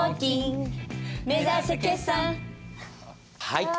はい。